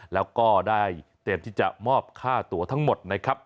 แล้วก็ได้เตรียมที่จะมอบค่าตัวทั้งหมดนะครับ